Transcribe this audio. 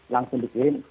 langsung bikin mereka